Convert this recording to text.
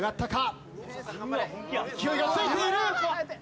勢いがついている！